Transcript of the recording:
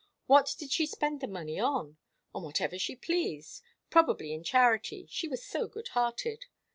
What did she spend the money on? On whatever she pleased probably in charity, she was so good hearted.